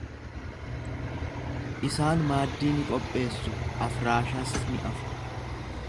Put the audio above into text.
Isaan maaddii ni qopheessu, afraashas ni afu.